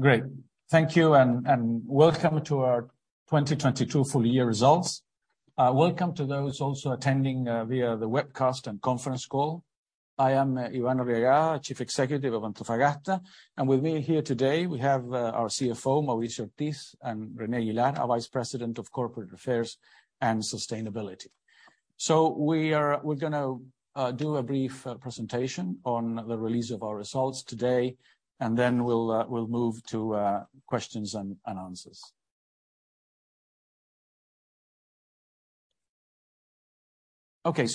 Great. Thank you, and welcome to our 2022 full year results. Welcome to those also attending via the webcast and conference call. I am Iván Arriagada, Chief Executive of Antofagasta. With me here today, we have our CFO, Mauricio Ortiz, and René Aguilar, our Vice President of Corporate Affairs and Sustainability. We're gonna do a brief presentation on the release of our results today, and then we'll move to questions and answers. Okay.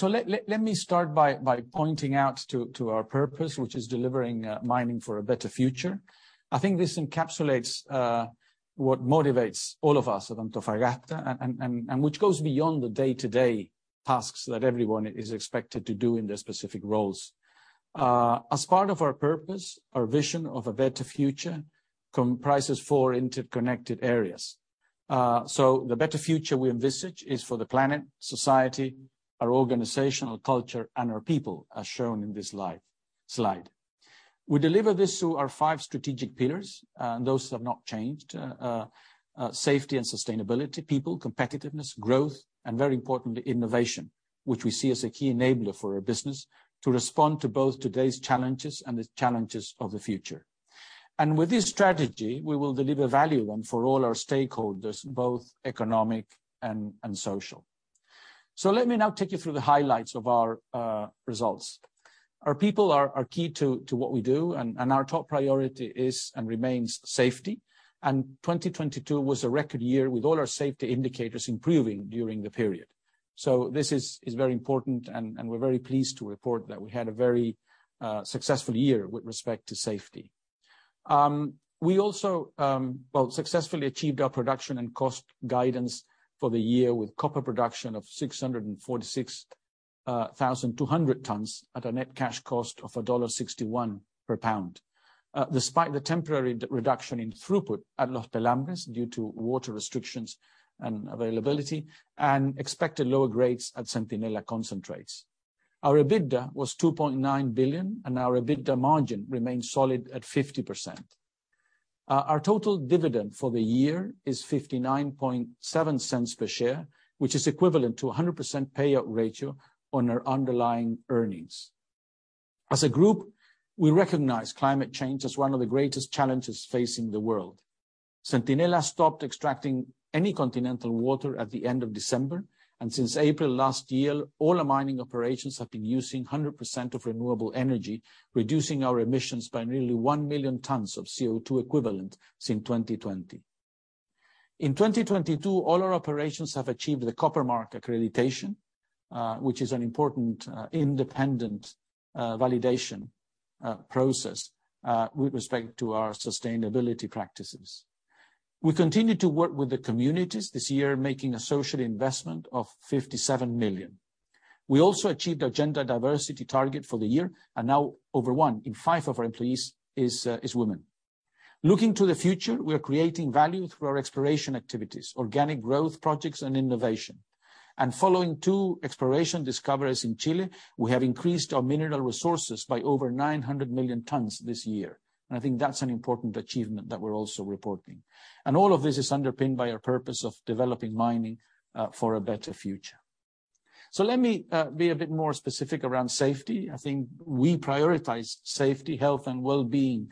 Let me start by pointing out to our purpose, which is delivering mining for a better future. I think this encapsulates what motivates all of us at Antofagasta and which goes beyond the day-to-day tasks that everyone is expected to do in their specific roles. As part of our purpose, our vision of a better future comprises four interconnected areas. So the better future we envisage is for the planet, society, our organizational culture, and our people, as shown in this slide. We deliver this through our five strategic pillars, and those have not changed. Safety and sustainability, people, competitiveness, growth, and very importantly, innovation, which we see as a key enabler for our business to respond to both today's challenges and the challenges of the future. With this strategy, we will deliver value on for all our stakeholders, both economic and social. Let me now take you through the highlights of our results. Our people are key to what we do, and our top priority is and remains safety. 2022 was a record year with all our safety indicators improving during the period. This is very important and we're very pleased to report that we had a very successful year with respect to safety. We also, well, successfully achieved our production and cost guidance for the year with copper production of 646,200 tons at a net cash cost of $1.61 per pound despite the temporary reduction in throughput at Los Pelambres due to water restrictions and availability and expected lower grades at Centinela concentrates. Our EBITDA was $2.9 billion, and our EBITDA margin remains solid at 50%. Our total dividend for the year is $0.597 per share, which is equivalent to a 100% payout ratio on our underlying earnings. As a group, we recognize climate change as one of the greatest challenges facing the world. Centinela stopped extracting any continental water at the end of December, and since April last year, all our mining operations have been using 100% of renewable energy, reducing our emissions by nearly one million tons of CO2 equivalent since 2020. In 2022, all our operations have achieved the Copper Mark accreditation, which is an important independent validation process with respect to our sustainability practices. We continue to work with the communities this year, making a social investment of $57 million. We also achieved our gender diversity target for the year, and now over one in five of our employees is women. Looking to the future, we are creating value through our exploration activities, organic growth projects and innovation. Following two exploration discoveries in Chile, we have increased our mineral resources by over 900 million tons this year. I think that's an important achievement that we're also reporting. All of this is underpinned by our purpose of developing mining for a better future. Let me be a bit more specific around safety. I think we prioritize safety, health, and well-being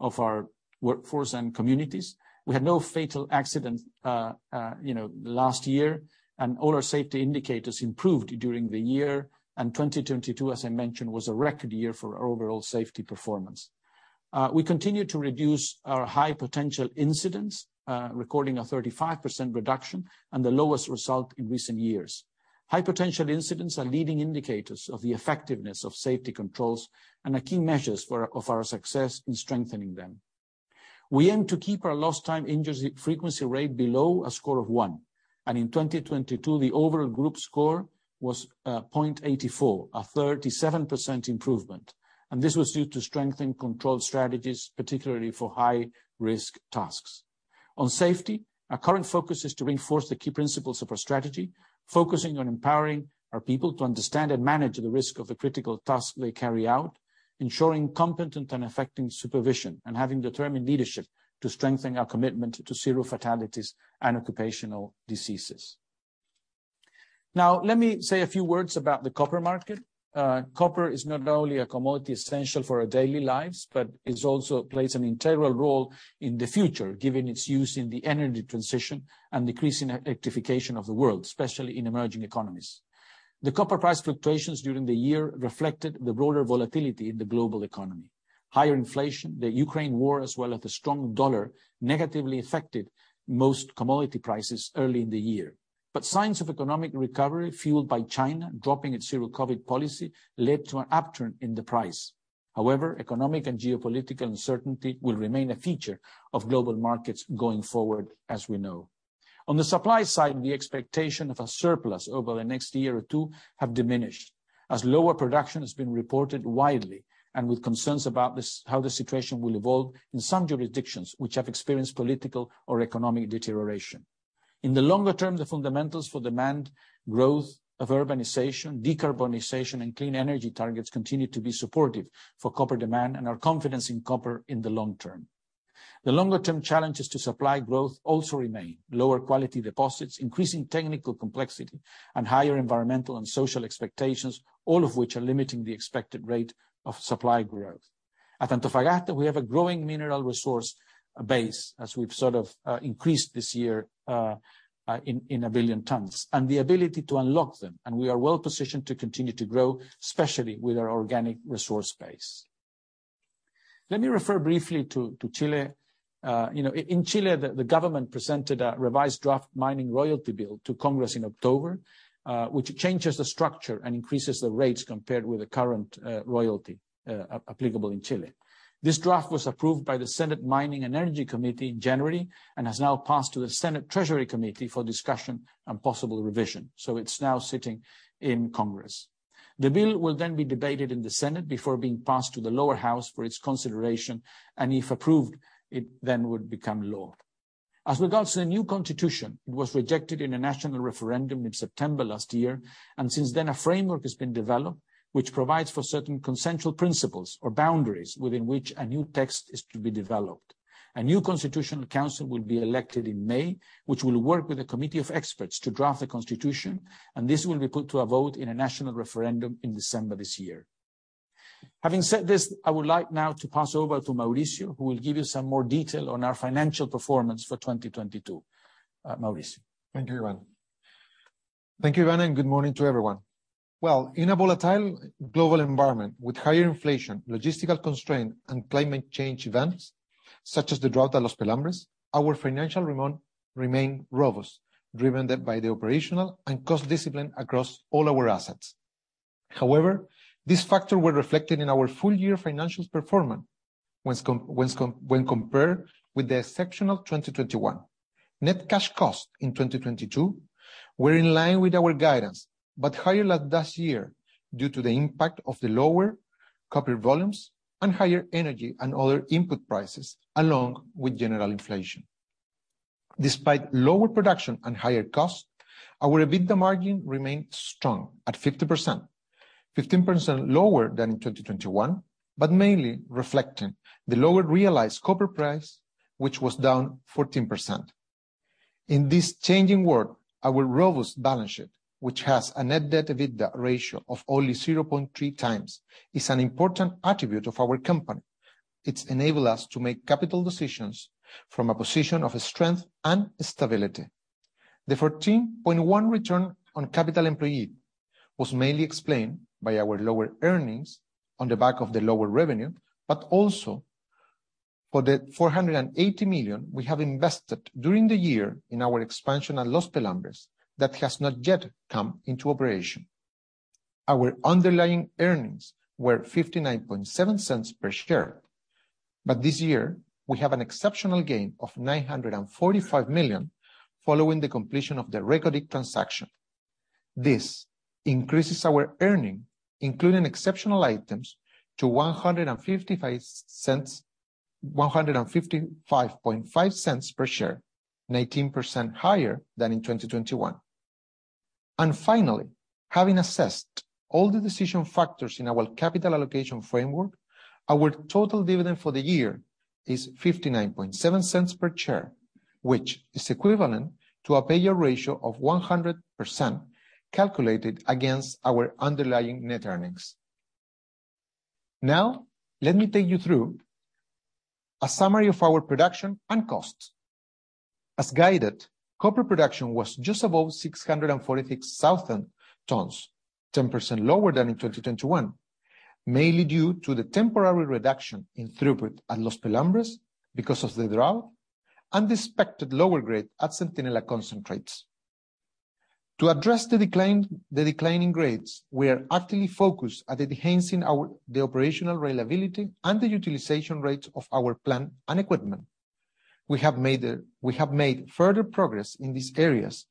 of our workforce and communities. We had no fatal accident, you know, last year, and all our safety indicators improved during the year. 2022, as I mentioned, was a record year for our overall safety performance. We continued to reduce our high potential incidents, recording a 35% reduction and the lowest result in recent years. High potential incidents are leading indicators of the effectiveness of safety controls and are key measures of our success in strengthening them. We aim to keep our Lost Time Injury Frequency Rate below a score of one. In 2022, the overall group score was 0.84, a 37% improvement. This was due to strengthened control strategies, particularly for high-risk tasks. On safety, our current focus is to reinforce the key principles of our strategy, focusing on empowering our people to understand and manage the risk of the critical tasks they carry out, ensuring competent and affecting supervision, and having determined leadership to strengthen our commitment to zero fatalities and occupational diseases. Now, let me say a few words about the copper market. Copper is not only a commodity essential for our daily lives, but it also plays an integral role in the future, given its use in the energy transition and increasing electrification of the world, especially in emerging economies. The copper price fluctuations during the year reflected the broader volatility in the global economy. Higher inflation, the Ukraine War, as well as the strong dollar, negatively affected most commodity prices early in the year. Signs of economic recovery, fueled by China dropping its zero-COVID policy, led to an upturn in the price. However, economic and geopolitical uncertainty will remain a feature of global markets going forward, as we know. On the supply side, the expectation of a surplus over the next year or two have diminished, as lower production has been reported widely and with concerns about how the situation will evolve in some jurisdictions which have experienced political or economic deterioration. In the longer term, the fundamentals for demand growth of urbanization, decarbonization, and clean energy targets continue to be supportive for copper demand and our confidence in copper in the long term. The longer-term challenges to supply growth also remain. Lower quality deposits, increasing technical complexity, and higher environmental and social expectations, all of which are limiting the expected rate of supply growth. At Antofagasta, we have a growing mineral resource base, as we've sort of increased this year in 1 billion tons, and the ability to unlock them. We are well-positioned to continue to grow, especially with our organic resource base. Let me refer briefly to Chile. You know, in Chile, the government presented a revised draft mining royalty bill to Congress in October, which changes the structure and increases the rates compared with the current royalty applicable in Chile. This draft was approved by the Senate Mining and Energy Committee in January, has now passed to the Senate Treasury Committee for discussion and possible revision. It's now sitting in Congress. The bill will be debated in the Senate before being passed to the lower house for its consideration, if approved, it then would become law. As regards to the new constitution, it was rejected in a national referendum in September last year. Since then, a framework has been developed, which provides for certain consensual principles or boundaries within which a new text is to be developed. A new constitutional council will be elected in May, which will work with a committee of experts to draft a constitution, and this will be put to a vote in a national referendum in December this year. Having said this, I would like now to pass over to Mauricio, who will give you some more detail on our financial performance for 2022. Mauricio. Thank you, Iván. Thank you, Iván. Good morning to everyone. Well, in a volatile global environment with higher inflation, logistical constraint, and climate change events, such as the drought at Los Pelambres, our financial remain robust, driven by the operational and cost discipline across all our assets. These factors were reflected in our full year financial performance when compared with the exceptional 2021. Net cash costs in 2022 were in line with our guidance, but higher than last year due to the impact of the lower copper volumes and higher energy and other input prices, along with general inflation. Despite lower production and higher costs, our EBITDA margin remained strong at 50%, 15% lower than in 2021, but mainly reflecting the lower realized copper price, which was down 14%. In this changing world, our robust balance sheet, which has a net debt-to-EBITDA ratio of only 0.3x, is an important attribute of our company. It's enabled us to make capital decisions from a position of strength and stability. The 14.1% Return on capital employed was mainly explained by our lower earnings on the back of the lower revenue, but also for the $480 million we have invested during the year in our expansion at Los Pelambres that has not yet come into operation. Our underlying earnings were $0.597 per share. This year, we have an exceptional gain of $945 million following the completion of the Reko Diq transaction. This increases our earning, including exceptional items, to $1.555 per share, 19% higher than in 2021. Finally, having assessed all the decision factors in our capital allocation framework, our total dividend for the year is $0.597 per share, which is equivalent to a payout ratio of 100%, calculated against our underlying net earnings. Now, let me take you through a summary of our production and costs. As guided, copper production was just above 646,000 tons, 10% lower than in 2021, mainly due to the temporary reduction in throughput at Los Pelambres because of the drought and the expected lower grade at Centinela concentrates. To address the declining grades, we are actively focused at enhancing our operational reliability and the utilization rates of our plant and equipment. We have made further progress in these areas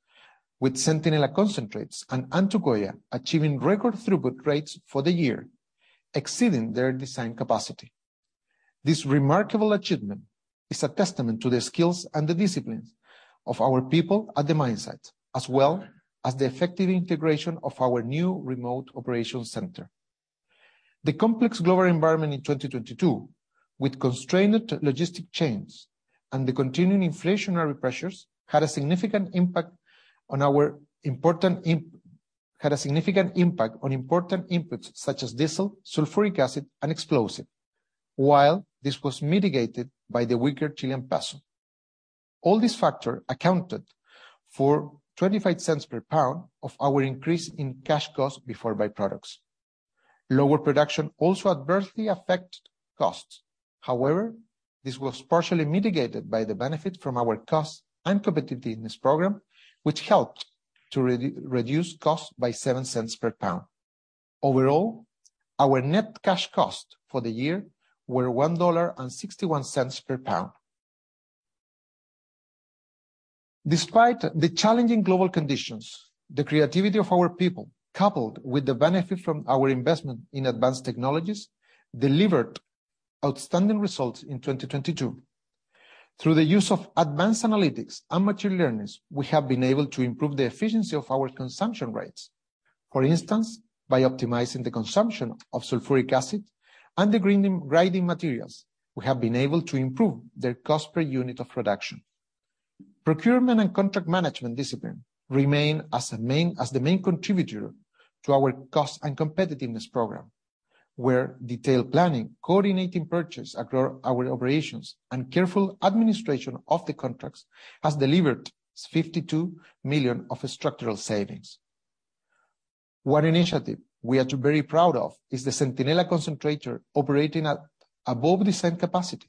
with Centinela concentrates and Antucoya achieving record throughput rates for the year, exceeding their design capacity. This remarkable achievement is a testament to the skills and the disciplines of our people at the mine sites, as well as the effective integration of our new remote operation center. The complex global environment in 2022, with constrained logistic chains and the continuing inflationary pressures, had a significant impact on important inputs such as diesel, sulfuric acid, and explosive. This was mitigated by the weaker Chilean peso. All these factor accounted for $0.25 per pound of our increase in cash costs before byproducts. Lower production also adversely affected costs. However, this was partially mitigated by the benefit from our cost and competitiveness program, which helped to reduce costs by $0.07 per pound. Overall, our net cash costs for the year were $1.61 per pound. Despite the challenging global conditions, the creativity of our people, coupled with the benefit from our investment in advanced technologies, delivered outstanding results in 2022. Through the use of advanced analytics and material learnings, we have been able to improve the efficiency of our consumption rates. For instance, by optimizing the consumption of sulfuric acid and the grinding media, we have been able to improve their cost per unit of production. Procurement and contract management discipline remain as the main contributor to our cost and competitiveness program, where detailed planning, coordinating purchase across our operations, and careful administration of the contracts has delivered $52 million of structural savings. One initiative we are very proud of is the Centinela concentrator operating at above design capacity.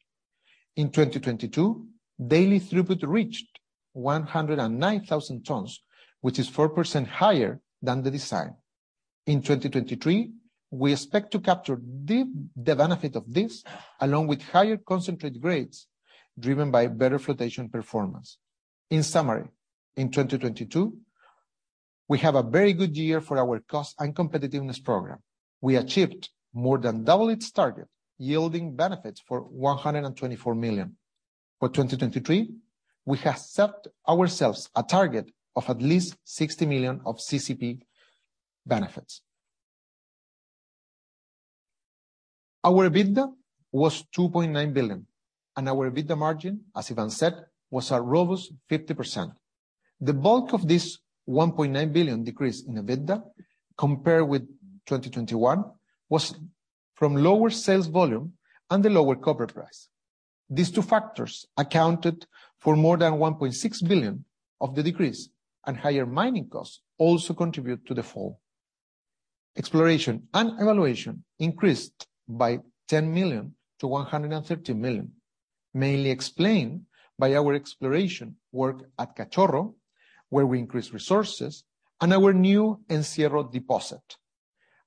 In 2022, daily throughput reached 109,000 tons, which is 4% higher than the design. In 2023, we expect to capture the benefit of this, along with higher concentrate grades driven by better flotation performance. In summary, in 2022, we have a very good year for our cost and competitiveness program. We achieved more than double its target, yielding benefits for $124 million. For 2023, we have set ourselves a target of at least $60 million of CCP benefits. Our EBITDA was $2.9 billion, our EBITDA margin, as Iván said, was a robust 50%. The bulk of this $1.9 billion decrease in EBITDA, compared with 2021, was from lower sales volume and the lower copper price. These two factors accounted for more than $1.6 billion of the decrease, higher mining costs also contribute to the fall. Exploration and evaluation increased by $10 million-$130 million, mainly explained by our exploration work at Cachorro, where we increased resources and our new Encierro deposit.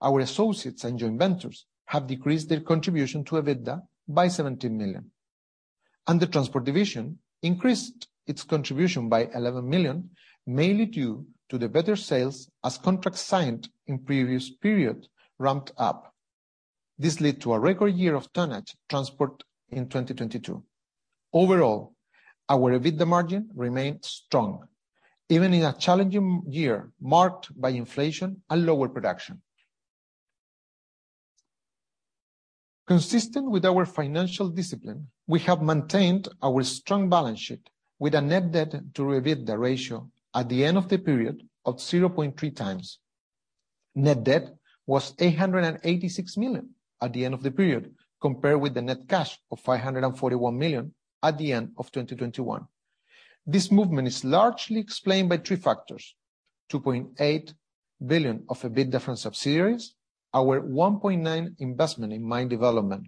Our associates and joint ventures have decreased their contribution to EBITDA by $17 million. The transport division increased its contribution by $11 million, mainly due to the better sales as contracts signed in previous periods ramped up. This led to a record year of tonnage transport in 2022. Overall, our EBITDA margin remained strong, even in a challenging year marked by inflation and lower production. Consistent with our financial discipline, we have maintained our strong balance sheet with a net debt-to-EBITDA ratio at the end of the period of 0.3x. Net debt was $886 million at the end of the period, compared with the net cash of $541 million at the end of 2021. This movement is largely explained by three factors: $2.8 billion of EBITDA subsidiaries, our $1.9 investment in mine development,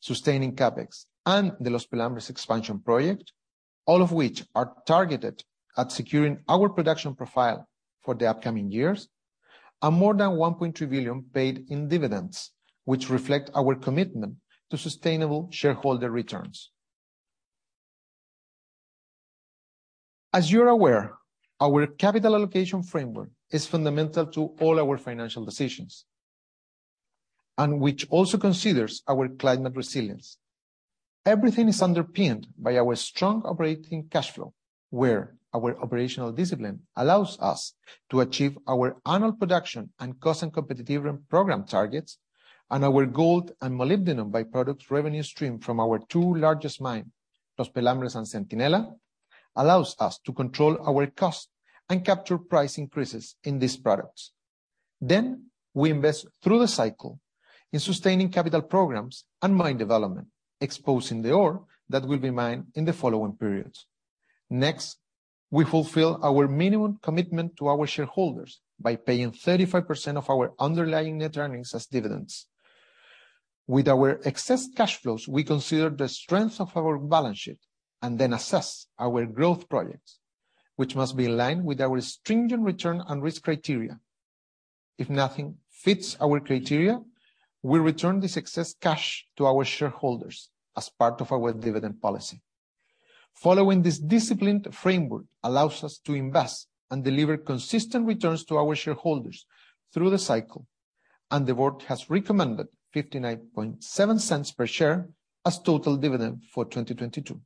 sustaining CapEx, and the Los Pelambres expansion project, all of which are targeted at securing our production profile for the upcoming years, and more than $1.3 billion paid in dividends, which reflect our commitment to sustainable shareholder returns. As you're aware, our capital allocation framework is fundamental to all our financial decisions, and which also considers our climate resilience. Everything is underpinned by our strong operating cash flow, where our operational discipline allows us to achieve our annual production and cost and competitive program targets, and our gold and molybdenum by-products revenue stream from our two largest mine, Los Pelambres and Centinela, allows us to control our costs and capture price increases in these products. We invest through the cycle in sustaining capital programs and mine development, exposing the ore that will be mined in the following periods. Next, we fulfill our minimum commitment to our shareholders by paying 35% of our underlying net earnings as dividends. With our excess cash flows, we consider the strength of our balance sheet and then assess our growth projects, which must be in line with our stringent return and risk criteria. If nothing fits our criteria, we return this excess cash to our shareholders as part of our dividend policy. Following this disciplined framework allows us to invest and deliver consistent returns to our shareholders through the cycle. The board has recommended $0.597 per share as total dividend for 2022,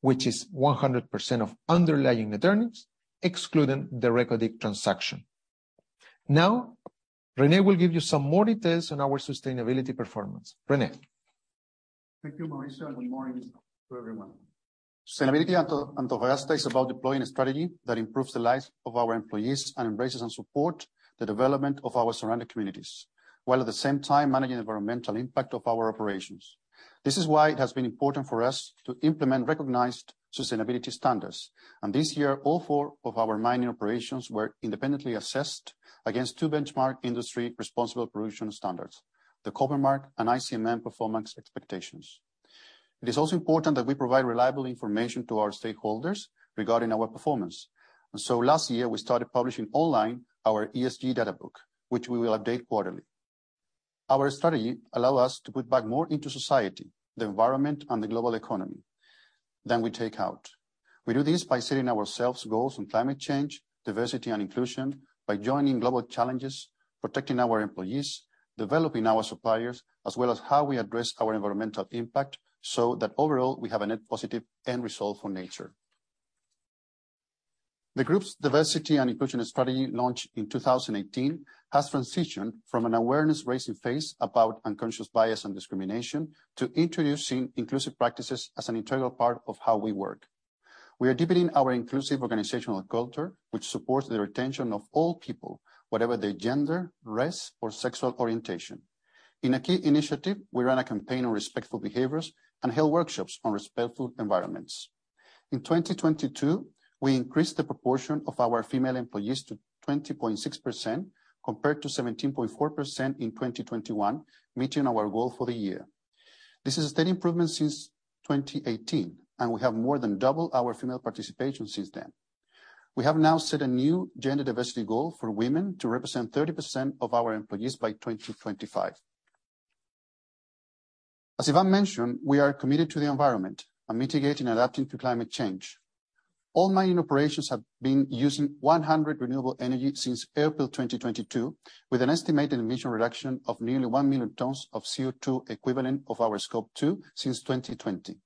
which is 100% of underlying net earnings, excluding the Reko Diq transaction. René will give you some more details on our sustainability performance. René? Thank you, Mauricio, and good morning to everyone. Sustainability at Antofagasta is about deploying a strategy that improves the lives of our employees and embraces and support the development of our surrounding communities, while at the same time managing the environmental impact of our operations. This is why it has been important for us to implement recognized sustainability standards. This year, all four of our mining operations were independently assessed against two benchmark industry responsible production standards, the Copper Mark and ICMM performance expectations. It is also important that we provide reliable information to our stakeholders regarding our performance. Last year, we started publishing online our ESG data book, which we will update quarterly. Our strategy allow us to put back more into society, the environment, and the global economy than we take out. We do this by setting ourselves goals on climate change, diversity and inclusion by joining global challenges, protecting our employees, developing our suppliers, as well as how we address our environmental impact, so that overall, we have a net positive end result for nature. The group's diversity and inclusion strategy launched in 2018, has transitioned from an awareness-raising phase about unconscious bias and discrimination to introducing inclusive practices as an integral part of how we work. We are deepening our inclusive organizational culture, which supports the retention of all people, whatever their gender, race or sexual orientation. In a key initiative, we ran a campaign on respectful behaviors and held workshops on respectful environments. In 2022, we increased the proportion of our female employees to 20.6%, compared to 17.4% in 2021, meeting our goal for the year. This is a steady improvement since 2018, and we have more than double our female participation since then. We have now set a new gender diversity goal for women to represent 30% of our employees by 2025. As Iván mentioned, we are committed to the environment and mitigating adapting to climate change. All mining operations have been using 100 renewable energy since April 2022, with an estimated emission reduction of nearly one million tons of CO2 equivalent of our Scope 2 since 2020.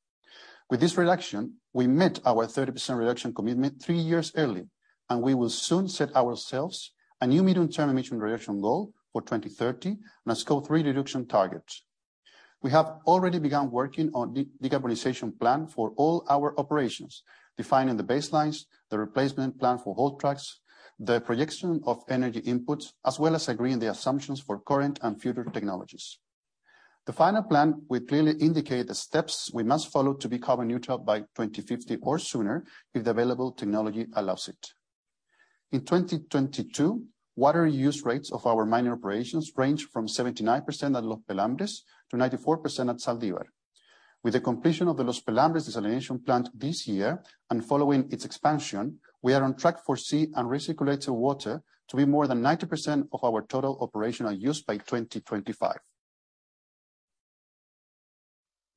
With this reduction, we met our 30% reduction commitment three years early. We will soon set ourselves a new medium-term emission reduction goal for 2030 and a Scope 3 reduction target. We have already begun working on decarbonization plan for all our operations, defining the baselines, the replacement plan for all trucks, the projection of energy inputs, as well as agreeing the assumptions for current and future technologies. The final plan will clearly indicate the steps we must follow to be carbon neutral by 2050 or sooner if the available technology allows it. In 2022, water use rates of our mining operations range from 79% at Los Pelambres to 94% at Zaldívar. With the completion of the Los Pelambres desalination plant this year, and following its expansion, we are on track for sea and recirculated water to be more than 90% of our total operational use by 2025.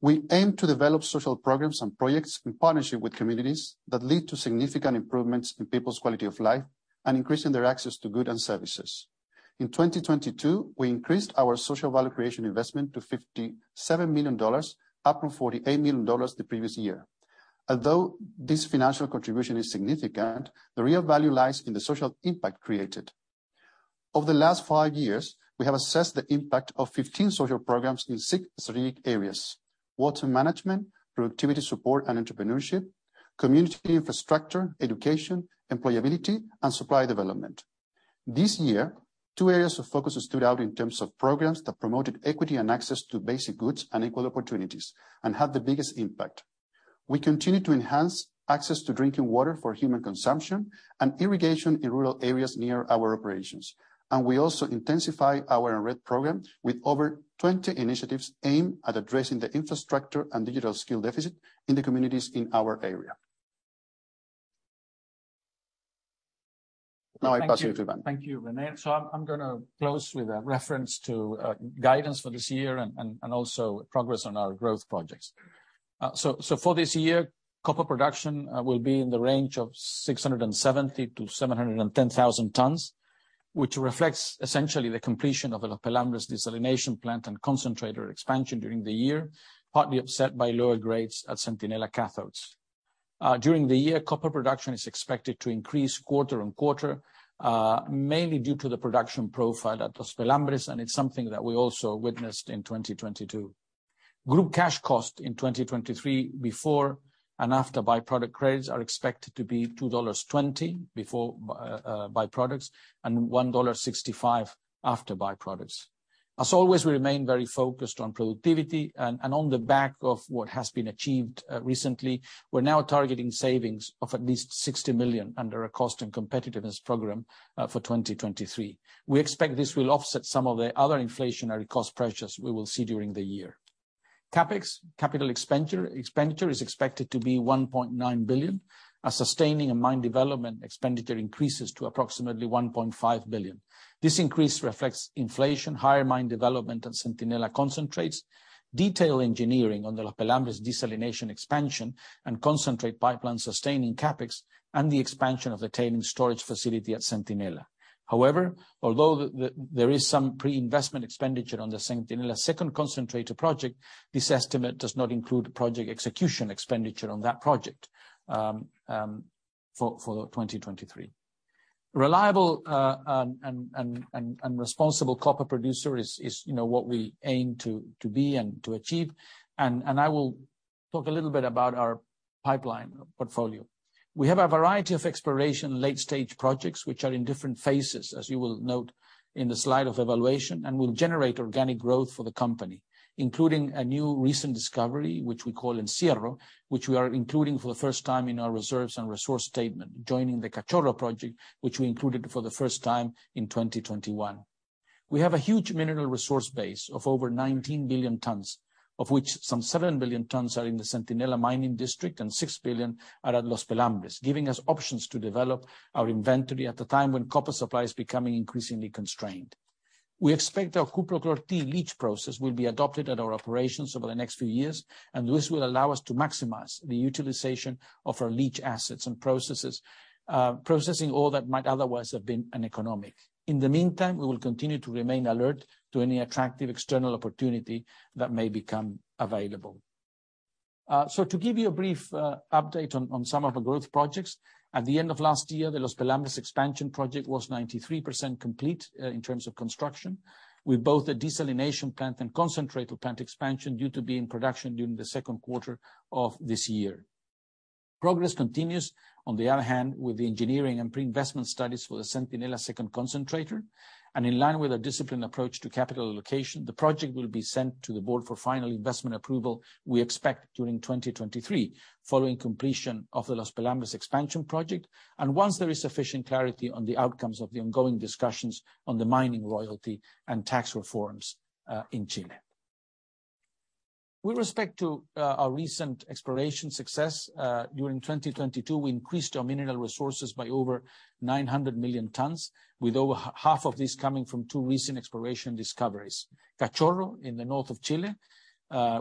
We aim to develop social programs and projects in partnership with communities that lead to significant improvements in people's quality of life and increasing their access to goods and services. In 2022, we increased our social value creation investment to $57 million, up from $48 million the previous year. This financial contribution is significant, the real value lies in the social impact created. Over the last five years, we have assessed the impact of 15 social programs in six strategic areas: water management, productivity support and entrepreneurship, community infrastructure, education, employability, and supply development. This year, two areas of focus stood out in terms of programs that promoted equity and access to basic goods and equal opportunities and had the biggest impact. We continue to enhance access to drinking water for human consumption and irrigation in rural areas near our operations. We also intensify our EnRed program with over 20 initiatives aimed at addressing the infrastructure and digital skill deficit in the communities in our area. I pass you to Ivan. Thank you, René. I'm gonna close with a reference to guidance for this year and also progress on our growth projects. For this year, copper production will be in the range of 670,000-710,000 tons, which reflects essentially the completion of the Los Pelambres desalination plant and concentrator expansion during the year, partly offset by lower grades at Centinela cathodes. During the year, copper production is expected to increase quarter-on-quarter, mainly due to the production profile at Los Pelambres, it's something that we also witnessed in 2022. Group cash cost in 2023 before and after by-product credits are expected to be $2.20 before by-products and $1.65 after by-products. As always, we remain very focused on productivity. On the back of what has been achieved recently, we're now targeting savings of at least $60 million under our cost and competitiveness program for 2023. We expect this will offset some of the other inflationary cost pressures we will see during the year. CapEx, expenditure is expected to be $1.9 billion, as sustaining and mine development expenditure increases to approximately $1.5 billion. This increase reflects inflation, higher mine development at Centinela concentrates, detailed engineering on the Los Pelambres desalination expansion and concentrate pipeline sustaining CapEx, and the expansion of the tailings storage facility at Centinela. However, although there is some pre-investment expenditure on the Centinela second concentrator project, this estimate does not include project execution expenditure on that project for 2023. Reliable and responsible copper producer is, you know, what we aim to be and to achieve. I will talk a little bit about our pipeline portfolio. We have a variety of exploration late-stage projects which are in different phases, as you will note in the slide of evaluation, and will generate organic growth for the company, including a new recent discovery, which we call Encierro, which we are including for the first time in our reserves and resource statement, joining the Cachorro project, which we included for the first time in 2021. We have a huge mineral resource base of over 19 billion tons, of which some seven billion tons are in the Centinela mining district and six billion tons are at Los Pelambres, giving us options to develop our inventory at a time when copper supply is becoming increasingly constrained. We expect our Cuprochlor-T leach process will be adopted at our operations over the next few years, and this will allow us to maximize the utilization of our leach assets and processes, processing ore that might otherwise have been uneconomic. In the meantime, we will continue to remain alert to any attractive external opportunity that may become available. So to give you a brief update on some of the growth projects, at the end of last year, the Los Pelambres expansion project was 93% complete in terms of construction, with both the desalination plant and concentrator plant expansion due to be in production during the second quarter of this year. Progress continues, on the other hand, with the engineering and pre-investment studies for the Centinela second concentrator. In line with a disciplined approach to capital allocation, the project will be sent to the board for final investment approval, we expect during 2023, following completion of the Los Pelambres expansion project, and once there is sufficient clarity on the outcomes of the ongoing discussions on the mining royalty and tax reforms in Chile. With respect to our recent exploration success, during 2022, we increased our mineral resources by over 900 million tons, with over half of this coming from two recent exploration discoveries. Cachorro, in the north of Chile,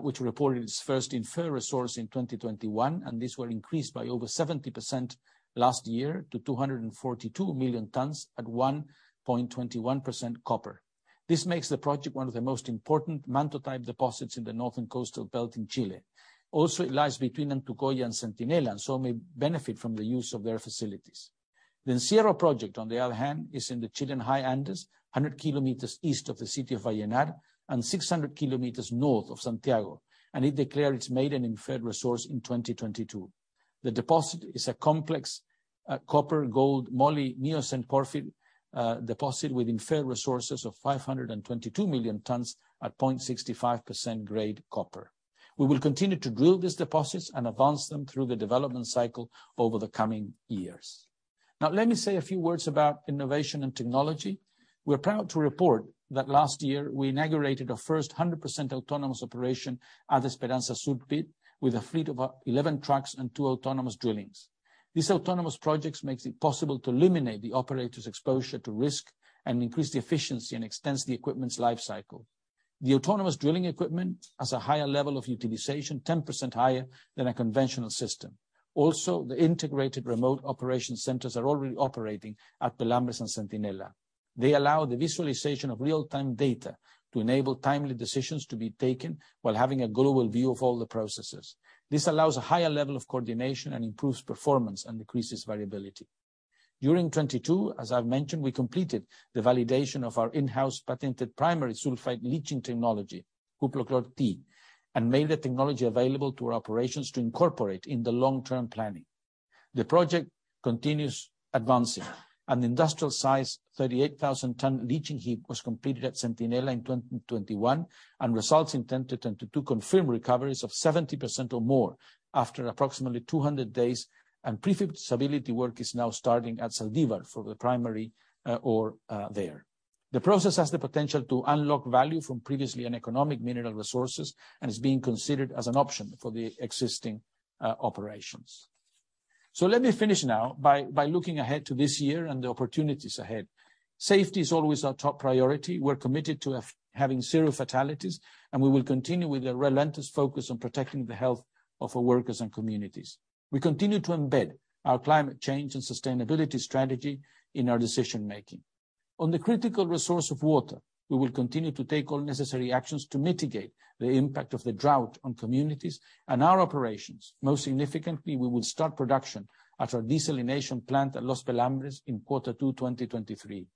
which reported its first inferred resource in 2021, and this were increased by over 70% last year to 242 million tons at 1.21% copper. This makes the project one of the most important manto-type deposits in the northern coastal belt in Chile. Also, it lies between Antucoya and Centinela, so may benefit from the use of their facilities. The Encierro Project, on the other hand, is in the Chilean High Andes, 100 km east of the city of Vallenar and 600 km north of Santiago, and it declared its maiden inferred resource in 2022. The deposit is a complex copper, gold, moly, neos and porphyry deposit with inferred resources of 522 million tons at 0.65% grade copper. We will continue to drill these deposits and advance them through the development cycle over the coming years. Let me say a few words about innovation and technology. We're proud to report that last year we inaugurated our first 100% autonomous operation at Esperanza Sur Pit with a fleet of 11 trucks and two autonomous drillings. These autonomous projects makes it possible to eliminate the operator's exposure to risk and increase the efficiency and extends the equipment's life cycle. The autonomous drilling equipment has a higher level of utilization, 10% higher than a conventional system. The integrated remote operation centers are already operating at Pelambres and Centinela. They allow the visualization of real-time data to enable timely decisions to be taken while having a global view of all the processes. This allows a higher level of coordination and improves performance and decreases variability. During 2022, as I've mentioned, we completed the validation of our in-house patented primary sulfide leaching technology, Cuprochlor-T, and made the technology available to our operations to incorporate in the long-term planning. The project continues advancing. An industrial size 38,000 ton leaching heap was completed at Centinela in 2021, and results in 2022 confirm recoveries of 70% or more after approximately 200 days, and pre-feasibility work is now starting at Zaldivar for the primary ore there. The process has the potential to unlock value from previously uneconomic mineral resources and is being considered as an option for the existing operations. Let me finish now by looking ahead to this year and the opportunities ahead. Safety is always our top priority. We're committed to having zero fatalities, and we will continue with a relentless focus on protecting the health of our workers and communities. We continue to embed our climate change and sustainability strategy in our decision-making. On the critical resource of water, we will continue to take all necessary actions to mitigate the impact of the drought on communities and our operations. Most significantly, we will start production at our desalination plant at Los Pelambres in quarter two 2023.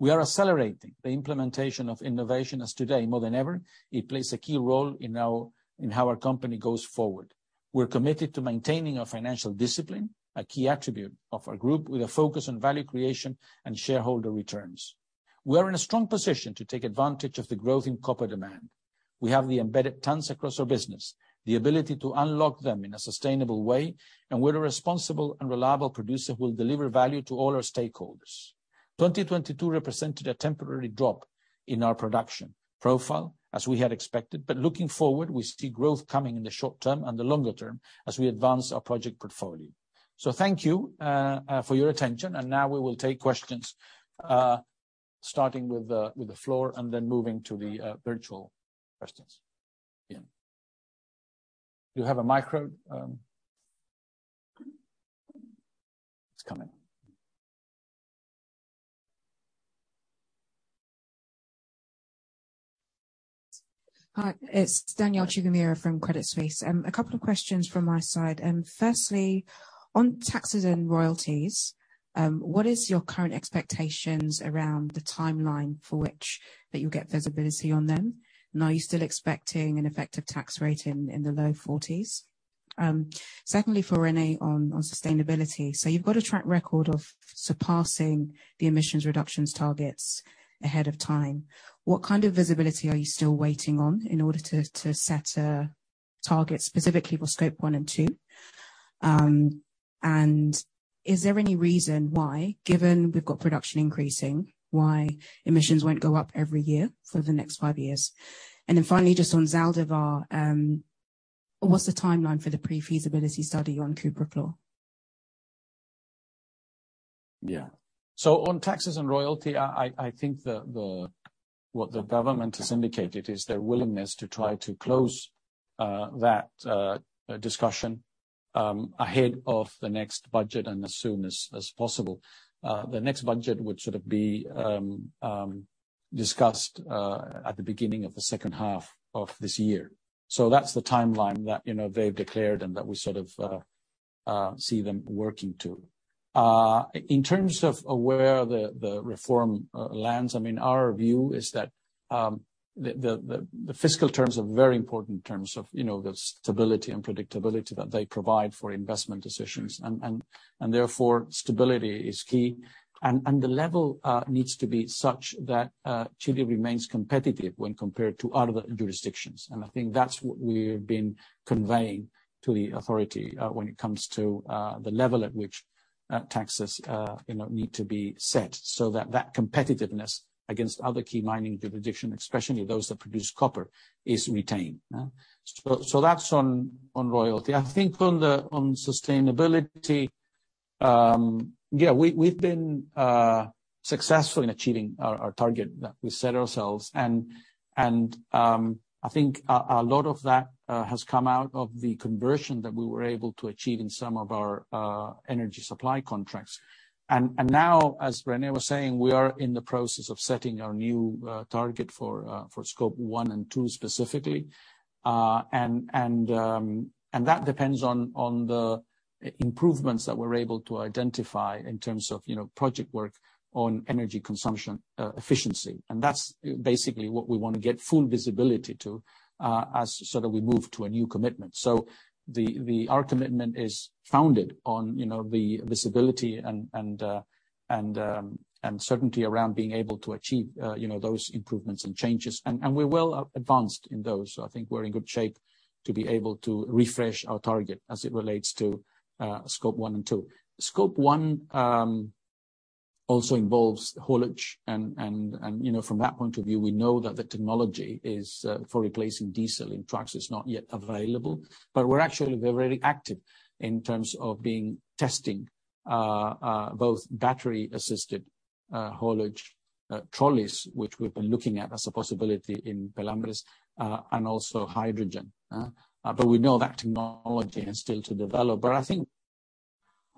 We are accelerating the implementation of innovation as today more than ever, it plays a key role in how our company goes forward. We're committed to maintaining our financial discipline, a key attribute of our group, with a focus on value creation and shareholder returns. We are in a strong position to take advantage of the growth in copper demand. We have the embedded tons across our business, the ability to unlock them in a sustainable way, and we're a responsible and reliable producer who will deliver value to all our stakeholders. 2022 represented a temporary drop in our production profile, as we had expected. Looking forward, we see growth coming in the short term and the longer term as we advance our project portfolio. Thank you for your attention. Now we will take questions, starting with the floor and then moving to the virtual questions. Yeah. Do you have a micro? It's coming. Hi, it's Danielle Chigumira from Credit Suisse. A couple of questions from my side. Firstly, on taxes and royalties, what is your current expectations around the timeline for which that you'll get visibility on them? Are you still expecting an effective tax rate in the low 40s? Secondly, for René on sustainability. You've got a track record of surpassing the emissions reductions targets ahead of time. What kind of visibility are you still waiting on in order to set a target specifically for Scope 1 and 2? Is there any reason why, given we've got production increasing, why emissions won't go up every year for the next five years? Finally, just on Zaldivar, what's the timeline for the pre-feasibility study on Cuprochlor? On taxes and royalty, I think the what the government has indicated is their willingness to try to close that discussion ahead of the next budget and as soon as possible. The next budget, which should be discussed at the beginning of the second half of this year. That's the timeline that, you know, they've declared and that we sort of see them working to. In terms of where the reform lands, I mean, our view is that the fiscal terms are very important in terms of, you know, the stability and predictability that they provide for investment decisions and therefore, stability is key. The level needs to be such that Chile remains competitive when compared to other jurisdictions. I think that's what we've been conveying to the authority, when it comes to, the level at which, taxes, you know, need to be set so that that competitiveness against other key mining jurisdiction, especially those that produce copper, is retained. So that's on royalty. I think on sustainability, yeah, we've been successful in achieving our target that we set ourselves. I think a lot of that has come out of the conversion that we were able to achieve in some of our energy supply contracts. Now, as René was saying, we are in the process of setting our new target for Scope 1 and 2 specifically. That depends on the improvements that we're able to identify in terms of, you know, project work on energy consumption efficiency. That's basically what we wanna get full visibility to as sort of we move to a new commitment. Our commitment is founded on, you know, the visibility and certainty around being able to achieve, you know, those improvements and changes. We're well advanced in those. I think we're in good shape to be able to refresh our target as it relates to Scope 1 and 2. Scope 1 also involves haulage and, you know, from that point of view, we know that the technology is for replacing diesel in trucks is not yet available. We're actually, we're very active in terms of testing both battery-assisted haulage trolleys, which we've been looking at as a possibility in Pelambres, and also hydrogen. We know that technology has still to develop. I think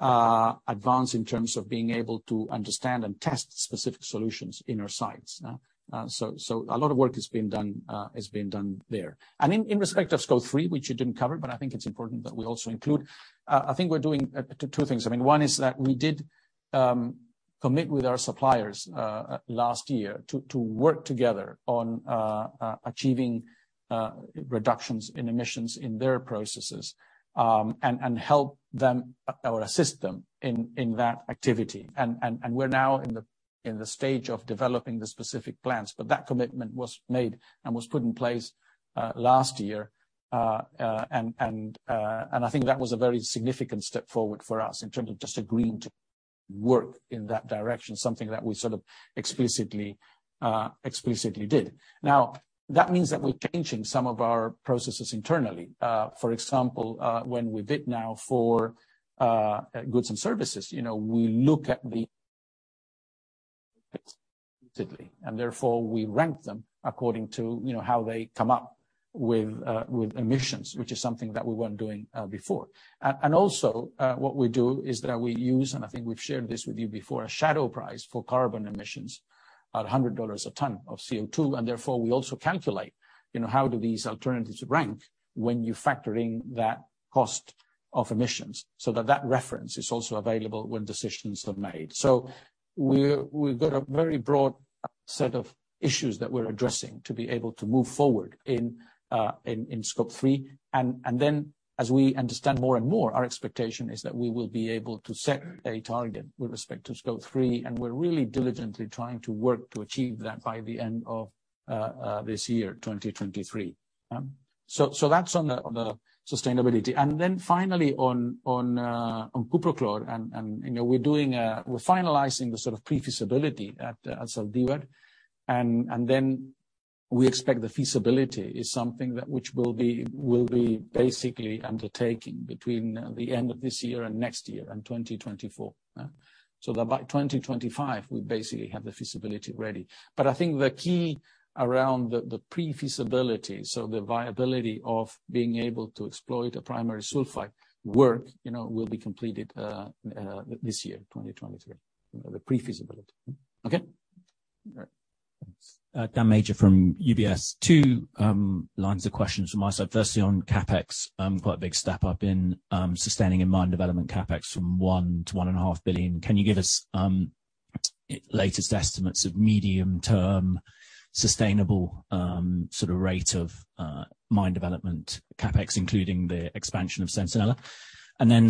advance in terms of being able to understand and test specific solutions in our sites. So a lot of work is being done there. In respect of Scope 3, which you didn't cover, but I think it's important that we also include. I think we're doing two things. I mean, one is that we did commit with our suppliers last year to work together on achieving reductions in emissions in their processes. And help them or assist them in that activity. We're now in the stage of developing the specific plans. That commitment was made and was put in place last year. I think that was a very significant step forward for us in terms of just agreeing to work in that direction, something that we sort of explicitly explicitly did. Now, that means that we're changing some of our processes internally. For example, when we bid now for goods and services, you know, we look at the. Therefore, we rank them according to, you know, how they come up with emissions, which is something that we weren't doing before. Also, what we do is that we use, and I think we've shared this with you before, a shadow price for carbon emissions at $100 a ton of CO2. Therefore, we also calculate, you know, how do these alternatives rank when you factor in that cost of emissions. That reference is also available when decisions are made. We've got a very broad set of issues that we're addressing to be able to move forward in Scope 3. Then, as we understand more and more, our expectation is that we will be able to set a target with respect to Scope 3, and we're really diligently trying to work to achieve that by the end of this year, 2023. So that's on the sustainability. Finally, on Cuprochlor and, you know, we're doing, we're finalizing the sort of pre-feasibility at Zaldívar. Then we expect the feasibility is something that which will be basically undertaking between the end of this year and next year and 2024. That by 2025, we basically have the feasibility ready. I think the key around the pre-feasibility, so the viability of being able to exploit a primary sulfide work, you know, will be completed this year, 2023. You know, the pre-feasibility. Okay? All right. Thanks. Daniel Major from UBS. Two lines of questions from my side. Firstly, on CapEx, quite a big step up in sustaining in mine development CapEx from $1 billion-$1.5 billion. Can you give us latest estimates of medium-term sustainable sort of rate of mine development CapEx, including the expansion of Centinela?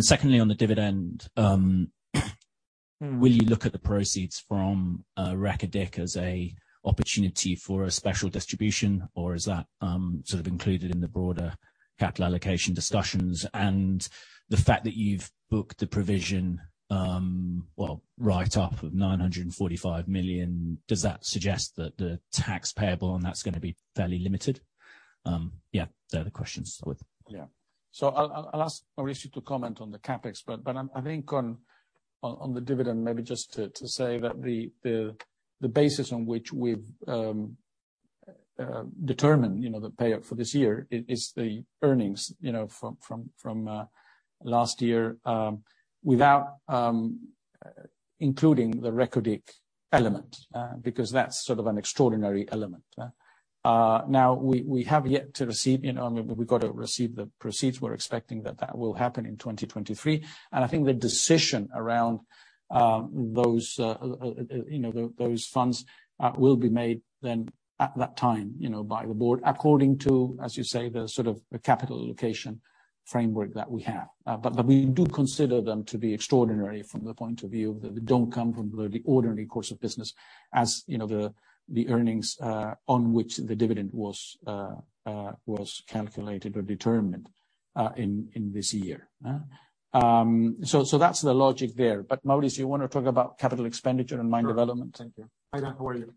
Secondly, on the dividend, will you look at the proceeds from Reko Diq as a opportunity for a special distribution, or is that sort of included in the broader capital allocation discussions? The fact that you've booked the provision, Well, write off of $945 million, does that suggest that the tax payable on that's gonna be fairly limited? Yeah, they're the questions with. I'll ask Mauricio to comment on the CapEx. I'm, I think on the dividend, maybe just to say that the basis on which we've determined, you know, the payout for this year is the earnings, you know, from last year. Without including the Reko Diq element, because that's sort of an extraordinary element. Now we have yet to receive, you know, I mean, we've got to receive the proceeds. We're expecting that that will happen in 2023. I think the decision around those, you know, those funds, will be made then at that time, you know, by the board, according to, as you say, the sort of the capital allocation framework that we have. We do consider them to be extraordinary from the point of view that they don't come from the ordinary course of business, as, you know, the earnings on which the dividend was calculated or determined in this year. That's the logic there. Mauricio, you wanna talk about capital expenditure and mine development? Sure. Thank you. Hi, Dan. How are you?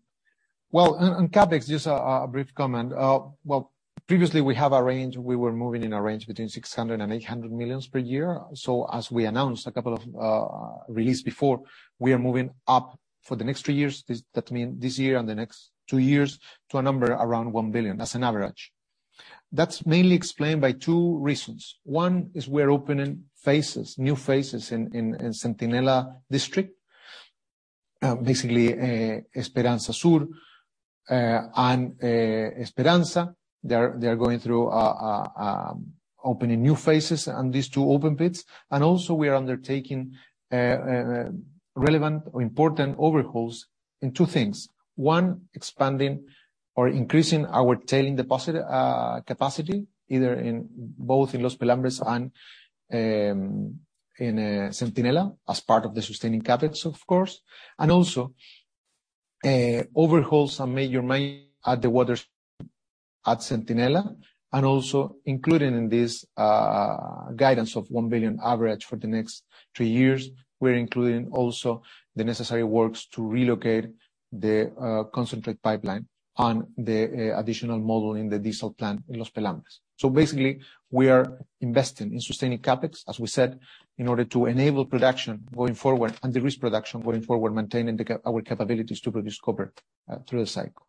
Well, on CapEx, just a brief comment. Well, previously we have a range. We were moving in a range between $600 million and $800 million per year. As we announced a couple of release before, we are moving up for the next three years. This, that mean this year and the next two years to a number around $1 billion as an average. That's mainly explained by two reasons. One is we're opening phases, new phases in Centinela district, basically Esperanza Sur and Esperanza. They're going through opening new phases on these two open pits. Also we are undertaking relevant or important overhauls in two things. One, expanding or increasing our tailing deposit capacity, either in both Los Pelambres and in Centinela as part of the sustaining CapEx, of course. Also, overhauls some major mine at the water at Centinela, and also including this guidance of $1 billion average for the next two years. We're including also the necessary works to relocate the concentrate pipeline on the additional model in the diesel plant in Los Pelambres. Basically, we are investing in sustaining CapEx, as we said, in order to enable production going forward and the risk production going forward, maintaining our capabilities to produce copper through the cycle.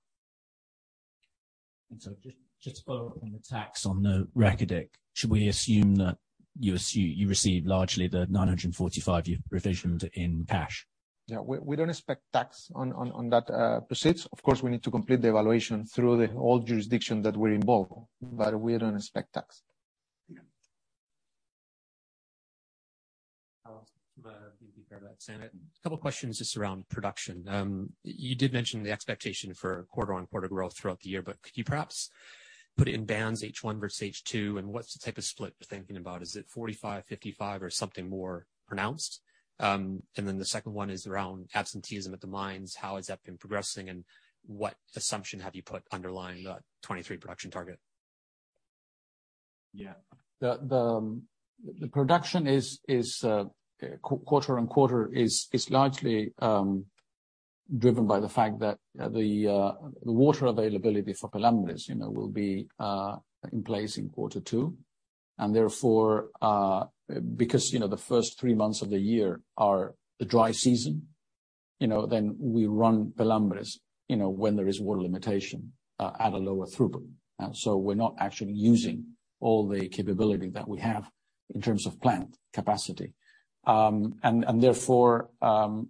Just to follow up on the tax on the Reko Diq, should we assume that you receive largely the $945 you've provisioned in cash? Yeah, we don't expect tax on that proceeds. Of course, we need to complete the evaluation through the whole jurisdiction that we're involved, but we don't expect tax. Yeah. A couple questions just around production. You did mention the expectation for quarter-on-quarter growth throughout the year, but could you perhaps put it in bands H1 versus H2, and what's the type of split you're thinking about? Is it 45, 55, or something more pronounced? The second one is around absenteeism at the mines. How has that been progressing, and what assumption have you put underlying the 2023 production target? Yeah. The production is quarter and quarter is largely driven by the fact that the water availability for Pelambres, you know, will be in place in quarter two. Therefore, because, you know, the first three months of the year are the dry season, you know, then we run Pelambres, you know, when there is water limitation, at a lower throughput. We're not actually using all the capability that we have in terms of plant capacity. Therefore,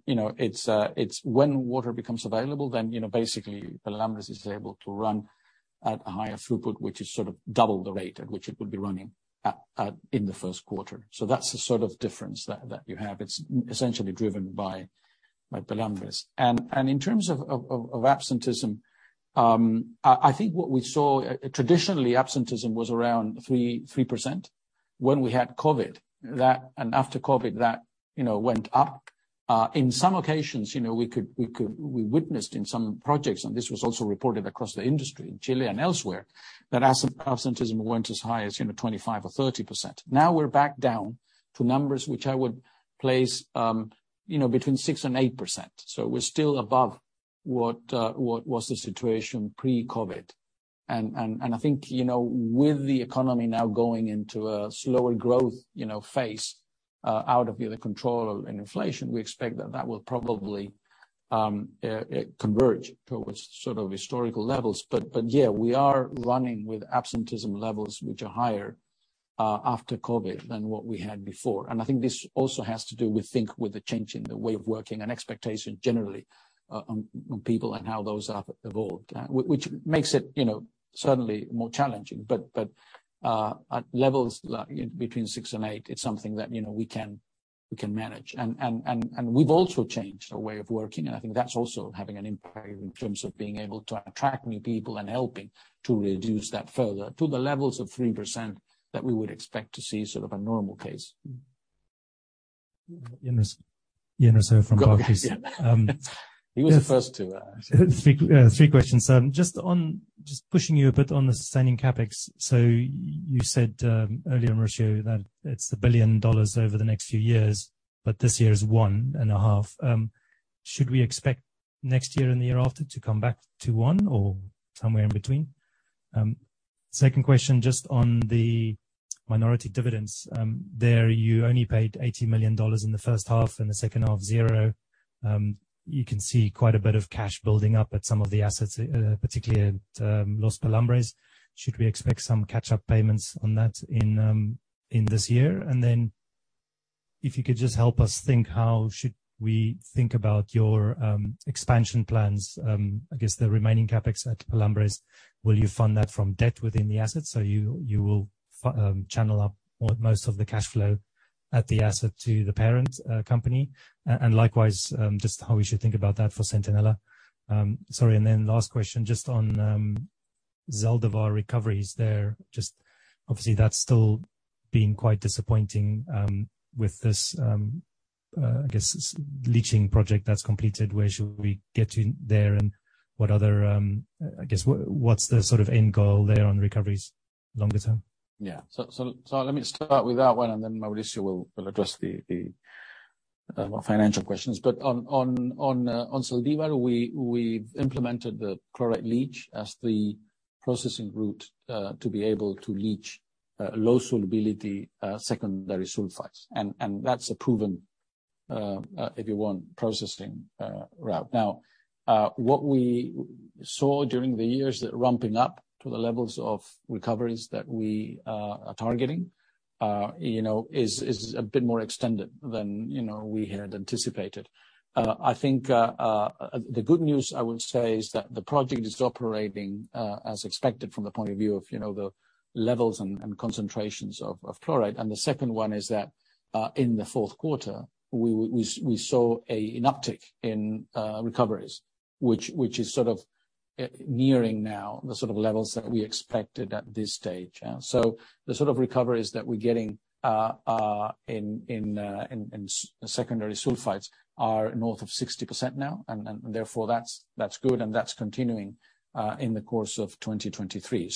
you know, it's when water becomes available, then, you know, basically Pelambres is able to run at a higher throughput, which is sort of double the rate at which it would be running at in the first quarter. That's the sort of difference that you have. It's essentially driven by Pelambres. In terms of absenteeism, I think what we saw traditionally, absenteeism was around 3% when we had COVID. After COVID, that, you know, went up. In some occasions, you know, we witnessed in some projects, and this was also reported across the industry in Chile and elsewhere, that absenteeism went as high as, you know, 25% or 30%. Now we're back down to numbers which I would place, you know, between 6% and 8%. We're still above what was the situation pre-COVID. I think, you know, with the economy now going into a slower growth, you know, phase, out of the other control and inflation, we expect that that will probably converge towards sort of historical levels. Yeah, we are running with absenteeism levels which are higher after COVID than what we had before. I think this also has to do with the change in the way of working and expectation generally on people and how those have evolved. Which makes it, you know, certainly more challenging. At levels between six and eight, it's something that, you know, we can manage. We've also changed our way of working, and I think that's also having an impact in terms of being able to attract new people and helping to reduce that further to the levels of 3% that we would expect to see sort of a normal case. [Jens] from Barclays. He was the first to... Three, three questions. Just pushing you a bit on the sustaining CapEx. You said earlier, Mauricio, that it's $1 billion over the next few years, but this year is $1.5 billion. Should we expect next year and the year after to come back to one or somewhere in between? Second question, just on the minority dividends. There you only paid $80 million in the first half and the second half, zero. You can see quite a bit of cash building up at some of the assets, particularly at Los Pelambres. Should we expect some catch-up payments on that in this year? If you could just help us think how should we think about your expansion plans, I guess the remaining CapEx at Pelambres. Will you fund that from debt within the asset? You will channel up most of the cash flow at the asset to the parent company. Likewise, just how we should think about that for Centinela. Sorry, last question, just on Zaldívar recoveries there. Just obviously that's still been quite disappointing with this, I guess leaching project that's completed. Where should we get to there and what other, I guess, what's the sort of end goal there on recoveries longer term? Let me start with that one, and then Mauricio will address the financial questions. On Zaldívar, we've implemented the chloride leach as the processing route, to be able to leach low solubility, secondary sulfides. That's a proven, if you want, processing, route. What we saw during the years that rumping up to the levels of recoveries that we are targeting, you know, is a bit more extended than, you know, we had anticipated. I think, the good news, I would say, is that the project is operating as expected from the point of view of, you know, the levels and concentrations of chloride. The second one is that, in the fourth quarter, we saw an uptick in recoveries, which is sort of nearing now the sort of levels that we expected at this stage. The sort of recoveries that we're getting in secondary sulfides are north of 60% now, and therefore that's good, and that's continuing in the course of 2023.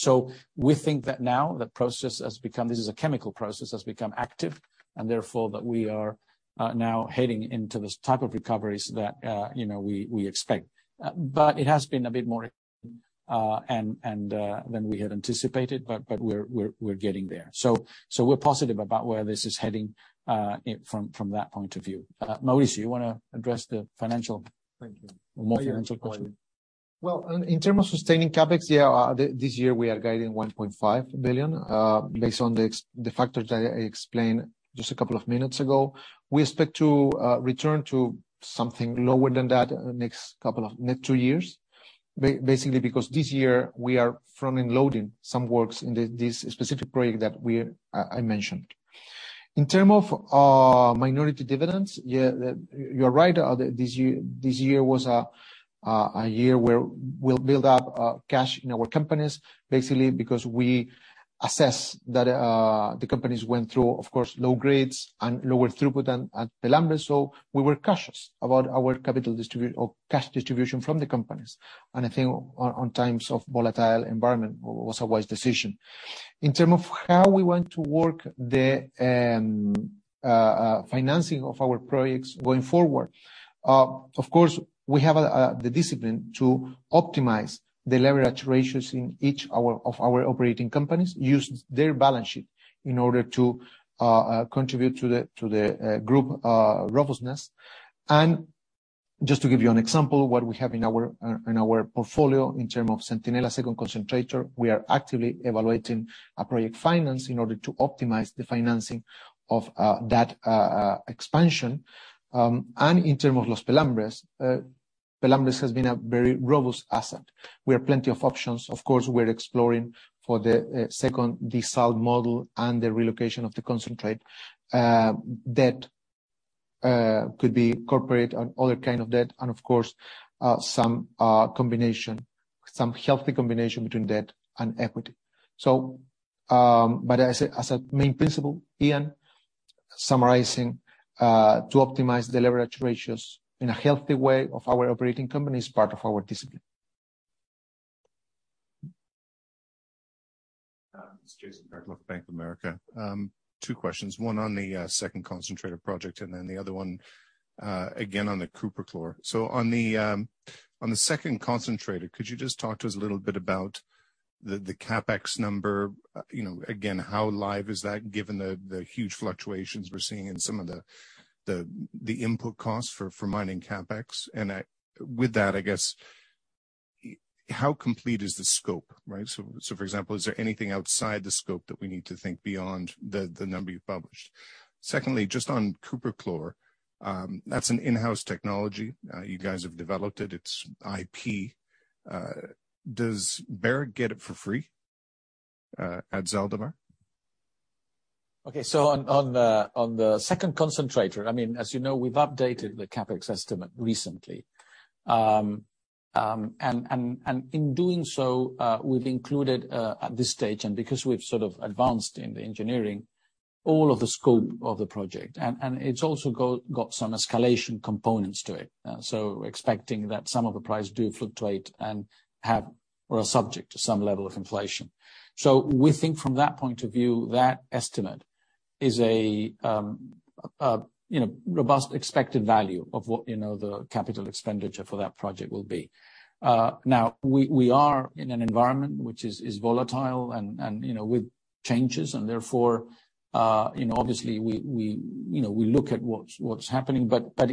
We think that now the process has become, this is a chemical process, has become active, and therefore that we are now heading into the type of recoveries that, you know, we expect. It has been a bit more, and than we had anticipated, but we're getting there. We're positive about where this is heading, from that point of view. Mauricio, you wanna address. Thank you. More financial question? Well, in terms of sustaining CapEx, this year, we are guiding $1.5 billion, based on the factors that I explained just a couple of minutes ago. We expect to return to something lower than that next two years, basically because this year we are front-end loading some works in this specific project I mentioned. In terms of minority dividends, you're right. This year was a year where we'll build up cash in our companies, basically because we assess that the companies went through, of course, low grades and lower throughput at Pelambres. We were cautious about our cash distribution from the companies. I think in times of volatile environment, it was a wise decision. In terms of how we want to work the financing of our projects going forward, of course, we have the discipline to optimize the leverage ratios in of our operating companies, use their balance sheet in order to contribute to the group robustness. Just to give you an example, what we have in our portfolio in terms of Centinela second concentrator, we are actively evaluating a project finance in order to optimize the financing of that expansion. In terms of Los Pelambres has been a very robust asset. We have plenty of options. Of course, we're exploring for the second desal model and the relocation of the concentrate. Debt could be corporate or other kind of debt, and of course, some combination, some healthy combination between debt and equity. As a main principle, Iván, summarizing, to optimize the leverage ratios in a healthy way of our operating company is part of our discipline. This is Jason Peck with Bank of America. Two questions. One on the second concentrator project, and then the other one again on the Cuprochlor. On the second concentrator, could you just talk to us a little bit about the CapEx number? You know, again, how live is that, given the huge fluctuations we're seeing in some of the input costs for mining CapEx? With that, I guess, how complete is the scope, right? So for example, is there anything outside the scope that we need to think beyond the number you published? Secondly, just on Cuprochlor, that's an in-house technology. You guys have developed it's IP. Does Barrick get it for free at Zaldívar? On, on the, on the second concentrator, I mean, as you know, we've updated the CapEx estimate recently. In doing so, we've included, at this stage, and because we've sort of advanced in the engineering, all of the scope of the project. It's also got some escalation components to it. Expecting that some of the price do fluctuate and have or are subject to some level of inflation. We think from that point of view, that estimate is a, you know, robust expected value of what, you know, the capital expenditure for that project will be. Now we are in an environment which is volatile and, you know, with changes and therefore, you know, obviously we, you know, we look at what's happening.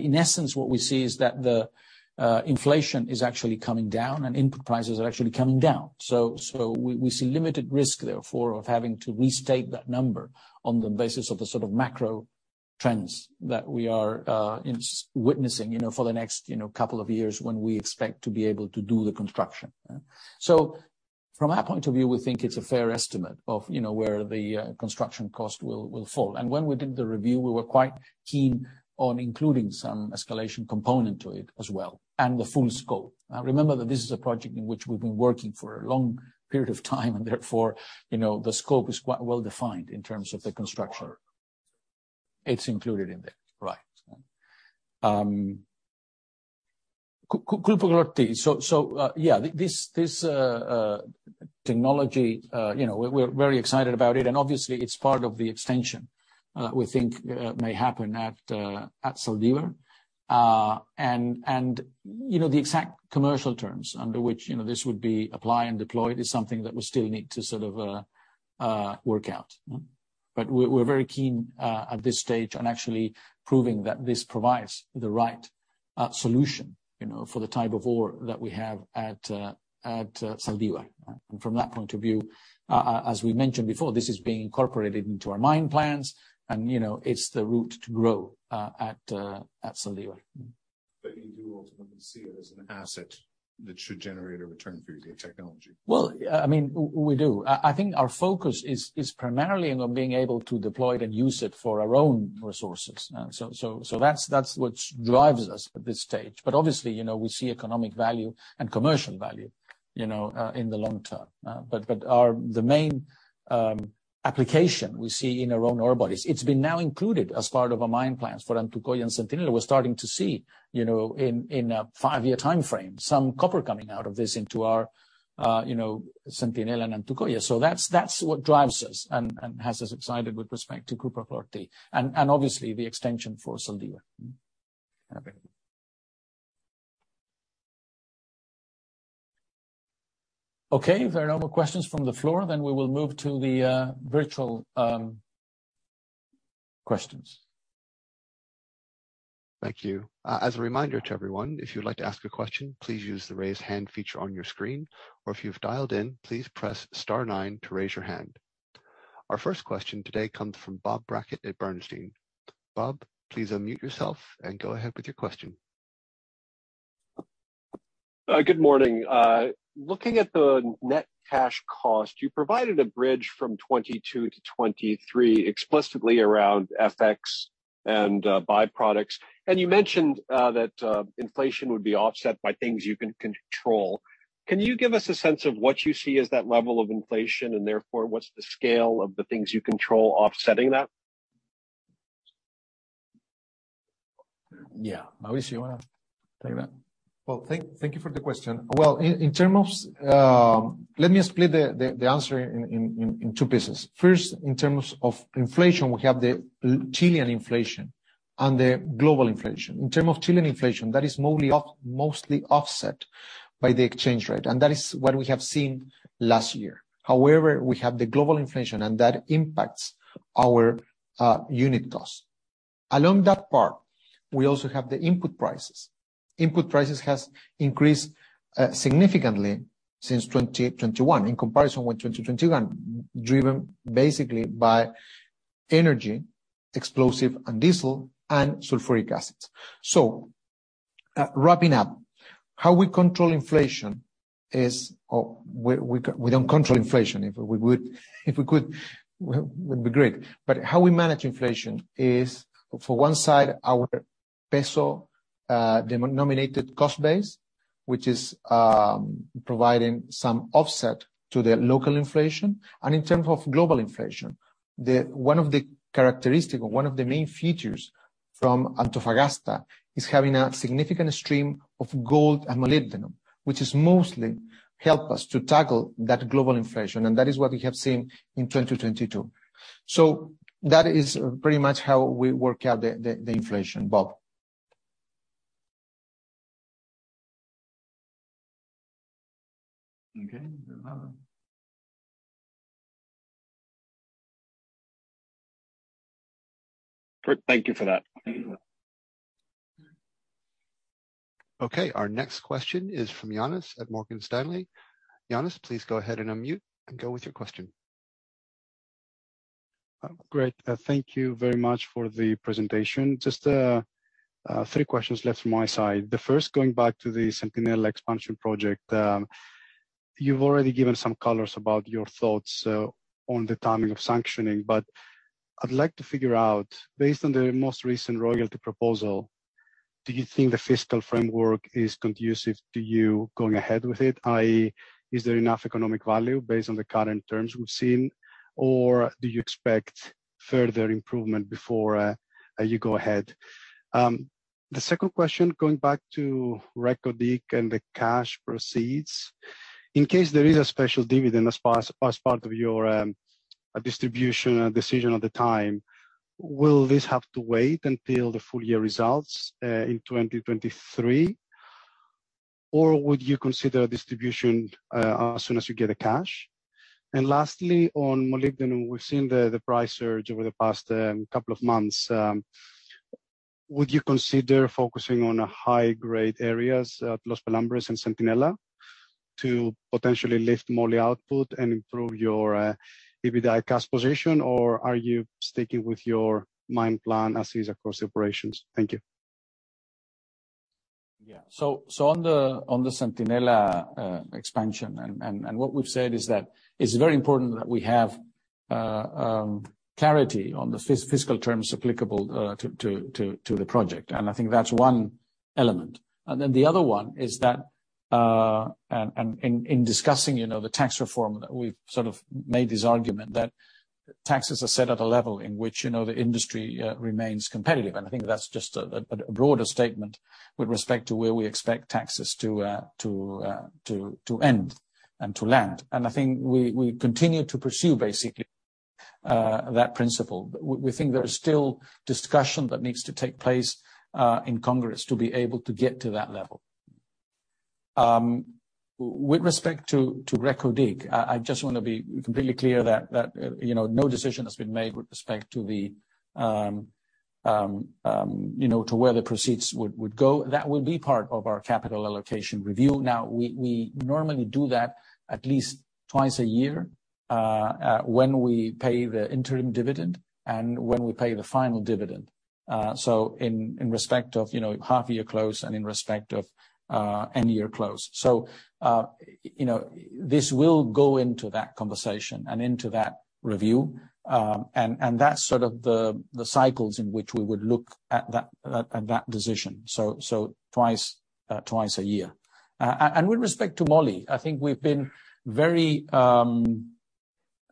In essence, what we see is that the inflation is actually coming down and input prices are actually coming down. We see limited risk therefore of having to restate that number on the basis of the sort of macro trends that we are witnessing, you know, for the next, you know, couple of years when we expect to be able to do the construction. From our point of view, we think it's a fair estimate of, you know, where the construction cost will fall. When we did the review, we were quite keen on including some escalation component to it as well, and the full scope. Remember that this is a project in which we've been working for a long period of time and therefore, you know, the scope is quite well-defined in terms of the construction. It's included in there, right. Cuprochlor-T. Yeah, this technology, you know, we're very excited about it, and obviously it's part of the extension, we think, may happen at Zaldívar. You know, the exact commercial terms under which, you know, this would be applied and deployed is something that we still need to sort of, work out. We're very keen at this stage on actually proving that this provides the right solution, you know, for the type of ore that we have at Zaldívar. From that point of view, as we mentioned before, this is being incorporated into our mine plans and, you know, it's the route to grow at Zaldívar. You do ultimately see it as an asset that should generate a return for you, the technology? Well, I mean, we do. I think our focus is primarily on being able to deploy it and use it for our own resources. That's what drives us at this stage. Obviously, you know, we see economic value and commercial value, you know, in the long term. Our... The main application we see in our own ore bodies, it's been now included as part of our mine plans for Antucoya and Centinela. We're starting to see, you know, in a five-year timeframe, some copper coming out of this into our, you know, Centinela and Antucoya. That's what drives us and has us excited with respect to Cuprochlor-T and obviously the extension for Zaldívar. Okay. If there are no more questions from the floor, then we will move to the virtual questions. Thank you. As a reminder to everyone, if you'd like to ask a question, please use the Raise Hand feature on your screen. Or if you've dialed in, please press star nine to raise your hand. Our first question today comes from Bob Brackett at Bernstein. Bob, please unmute yourself and go ahead with your question. Good morning. Looking at the net cash cost, you provided a bridge from 2022 to 2023 explicitly around FX and byproducts. You mentioned that inflation would be offset by things you can control. Can you give us a sense of what you see as that level of inflation and therefore what's the scale of the things you control offsetting that? Yeah. Mauricio, you wanna take that? Thank you for the question. In terms of, let me split the answer in two pieces. First, in terms of inflation, we have the Chilean inflation and the global inflation. In terms of Chilean inflation, that is mostly offset by the exchange rate, that is what we have seen last year. We have the global inflation that impacts our unit cost. Along that part, we also have the input prices. Input prices has increased significantly since 2021, in comparison with 2021, driven basically by energy, explosive and diesel and sulfuric acids. Wrapping up, how we control inflation is, we don't control inflation. If we could, would be great. How we manage inflation is, for one side, our peso, denominated cost base, which is providing some offset to the local inflation. In terms of global inflation, one of the characteristic or one of the main features from Antofagasta is having a significant stream of gold and molybdenum, which is mostly help us to tackle that global inflation, and that is what we have seen in 2022. That is pretty much how we work out the inflation, Bob. Okay. No problem. Great. Thank you for that. Okay. Our next question is from Ioannis at Morgan Stanley. Yannis, please go ahead and unmute and go with your question. Great. Thank you very much for the presentation. Just three questions left from my side. The first, going back to the Centinela expansion project. You've already given some colors about your thoughts on the timing of sanctioning. I'd like to figure out, based on the most recent royalty proposal, do you think the fiscal framework is conducive to you going ahead with it? i.e., is there enough economic value based on the current terms we've seen, or do you expect further improvement before you go ahead? The second question, going back to Reko Diq and the cash proceeds. In case there is a special dividend as part of your distribution decision at the time, will this have to wait until the full year results in 2023 or would you consider distribution as soon as you get the cash? Lastly, on molybdenum, we've seen the price surge over the past couple of months. Would you consider focusing on a high-grade areas at Los Pelambres and Centinela to potentially lift moly output and improve your EBITDA cash position? Or are you sticking with your mine plan as is across operations? Thank you. Yeah. On the Centinela expansion and what we've said is that it's very important that we have clarity on the fiscal terms applicable to the project. I think that's one element. The other one is that in discussing, you know, the tax reform, that we've sort of made this argument that taxes are set at a level in which, you know, the industry remains competitive. I think that's just a broader statement with respect to where we expect taxes to end and to land. I think we continue to pursue basically that principle. We think there is still discussion that needs to take place in Congress to be able to get to that level. With respect to Reko Diq, I just wanna be completely clear that, you know, no decision has been made with respect to the, you know, to where the proceeds would go. That will be part of our capital allocation review. We normally do that at least twice a year, when we pay the interim dividend and when we pay the final dividend. In respect of, you know, half-year close and in respect of any year close. You know, this will go into that conversation and into that review. That's sort of the cycles in which we would look at that decision. So twice a year. With respect to moly, I think we've been very, you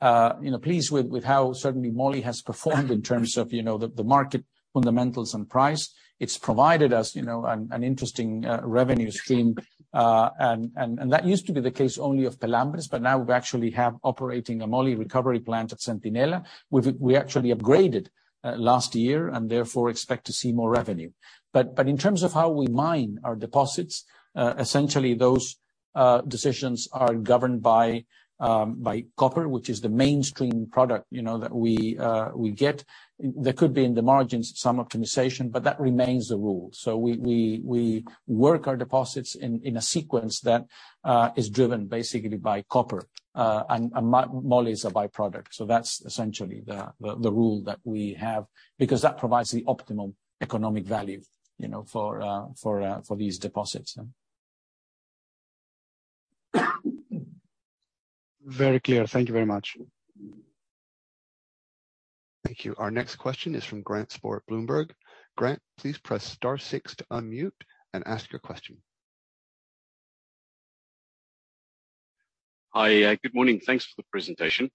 know, pleased with how certainly moly has performed in terms of, you know, the market fundamentals and price. It's provided us, you know, an interesting revenue stream. That used to be the case only of Pelambres, but now we actually have operating a moly recovery plant at Centinela. We actually upgraded last year and therefore expect to see more revenue. In terms of how we mine our deposits, essentially those decisions are governed by copper, which is the mainstream product, you know, that we get. There could be in the margins some optimization, but that remains the rule. We work our deposits in a sequence that is driven basically by copper, and moly is a by-product. That's essentially the rule that we have because that provides the optimum economic value, you know, for these deposits. Very clear. Thank you very much. Thank you. Our next question is from Grant Sporre at Bloomberg. Grant, please press star six to unmute and ask your question. Hi. Good morning. Thanks for the presentation.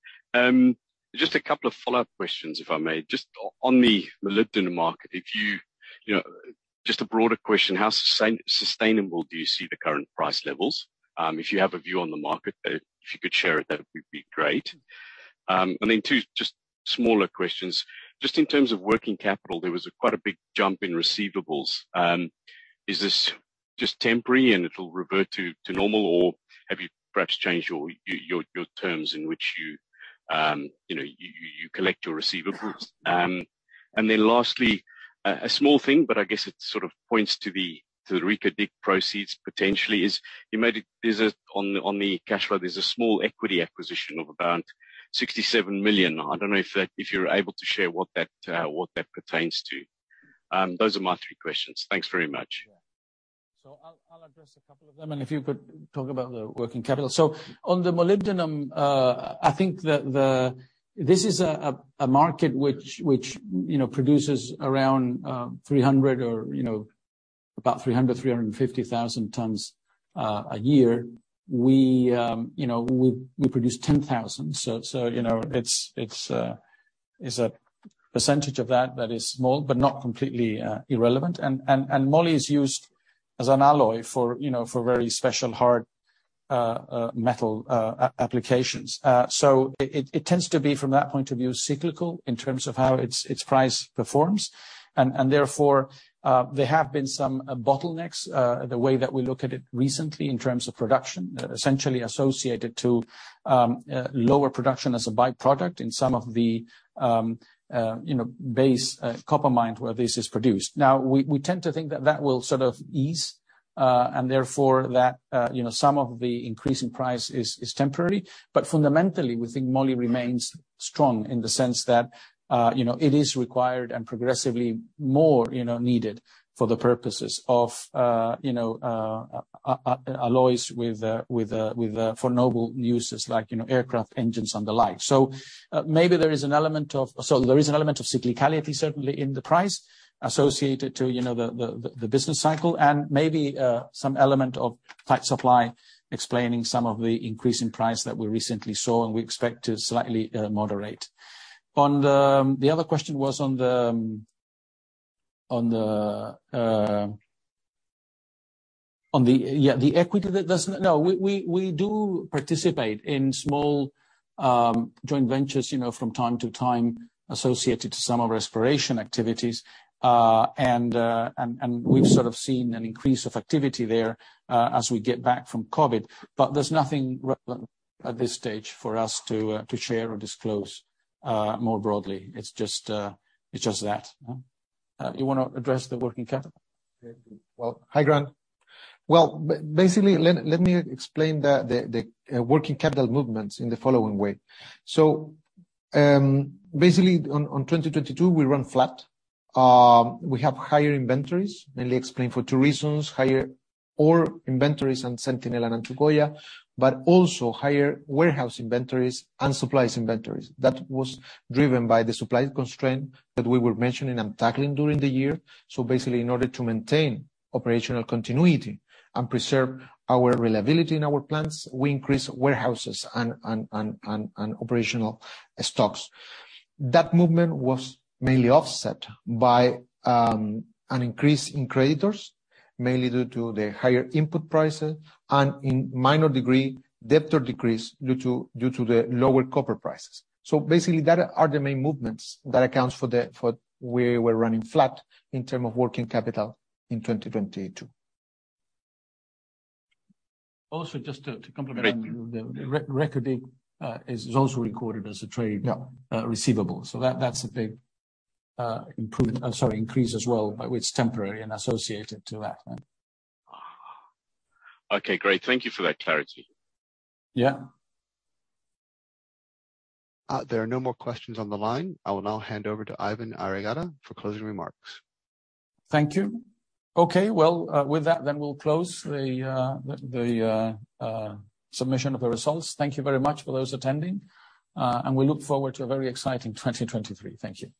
Just a couple of follow-up questions, if I may. Just on the molybdenum market, if you know, just a broader question, how sustainable do you see the current price levels? If you have a view on the market, if you could share it, that would be great. Two just smaller questions. Just in terms of working capital, there was a quite a big jump in receivables. Is this just temporary and it'll revert to normal, or have you perhaps changed your terms in which you know, you collect your receivables? Lastly, a small thing, but I guess it sort of points to the, to the Reko Diq proceeds potentially is on the cash flow, there's a small equity acquisition of about $67 million. I don't know if you're able to share what that what that pertains to. Those are my three questions. Thanks very much. Yeah. I'll address a couple of them, and if you could talk about the working capital. On the molybdenum, I think that this is a market which, you know, produces around 300,000 or, you know, about 300,000, 350,000 tons a year. We, you know, we produce 10,000. You know, it is a percentage of that that is small, but not completely irrelevant. Moly is used as an alloy for, you know, for very special hard metal applications. It tends to be from that point of view, cyclical in terms of how its price performs. Therefore, there have been some bottlenecks, the way that we look at it recently in terms of production, essentially associated to, lower production as a by-product in some of the, you know, base, copper mine where this is produced. We tend to think that that will sort of ease, and therefore that, you know, some of the increase in price is temporary. Fundamentally, we think moly remains strong in the sense that, you know, it is required and progressively more, you know, needed for the purposes of, you know, alloys with, with, for noble uses like, you know, aircraft engines and the like. Maybe there is an element of... There is an element of cyclicality certainly in the price associated to, you know, the business cycle and maybe some element of tight supply explaining some of the increase in price that we recently saw and we expect to slightly moderate. The other question was on the equity that doesn't... No, we do participate in small joint ventures, you know, from time to time associated to some of exploration activities. We've sort of seen an increase of activity there as we get back from COVID, but there's nothing relevant at this stage for us to share or disclose more broadly. It's just that. You wanna address the working capital? Well, hi, Grant. Well, basically, let me explain the working capital movements in the following way. Basically on 2022, we run flat. We have higher inventories, mainly explained for two reasons, higher ore inventories in Centinela and Antucoya, but also higher warehouse inventories and supplies inventories. That was driven by the supply constraint that we were mentioning and tackling during the year. Basically, in order to maintain operational continuity and preserve our reliability in our plants, we increased warehouses and operational stocks. That movement was mainly offset by an increase in creditors, mainly due to the higher input prices, and in minor degree, debtor decrease due to the lower copper prices. Basically, that are the main movements that accounts for where we're running flat in terms of working capital in 2022. Just to complement the record date is also recorded as a trade- Yeah receivable. That's a big, improve... sorry, increase as well, but it's temporary and associated to that. Okay, great. Thank you for that clarity. Yeah. There are no more questions on the line. I will now hand over to Iván Arriagada for closing remarks. Thank you. Okay. Well, with that, we'll close the submission of the results. Thank you very much for those attending. We look forward to a very exciting 2023. Thank you.